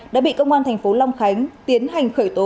đã bị công an thành phố long khánh tiến hành khởi tố